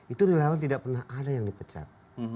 itu relawan tidak pernah ada yang dipecat